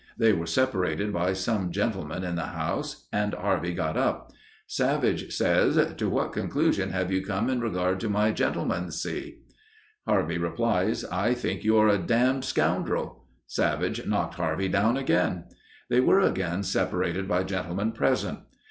They were separated by some gentlemen in the house, and Harvey got up. Savage says, "To what conclusion have you come in regard to my gentlemancy?" Harvey replies, "I think you are a damned scoundrel." Savage knocked Harvey down again. They were again separated by gentlemen present.